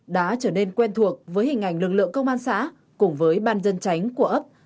đã trở nên quen thuộc với hình ảnh lực lượng công an xã cùng với ban dân tránh của ấp